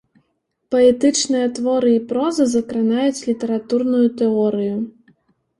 Паэтычныя творы і проза закранаюць літаратурную тэорыю.